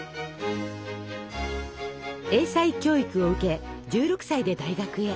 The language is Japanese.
英才教育を受け１６歳で大学へ。